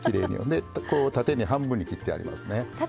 でこう縦に半分に切ってありますね。